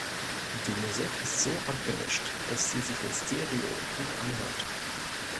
Die Musik ist so abgemischt, dass sie sich in Stereo gut anhört.